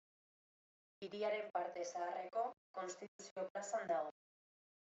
Hiriaren Parte Zaharreko Konstituzio plazan dago.